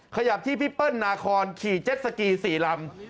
ขยับที่พี่เปิ้ลนาคอนขี่เจ็ดสกี๔ลำ